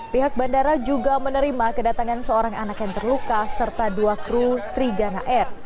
pihak bandara juga menerima kedatangan seorang anak yang terluka serta dua kru trigana air